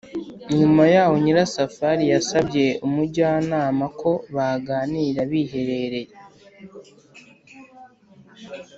nyuma yaho nyirasafari yasabye umujyanama ko baganira biherereye ;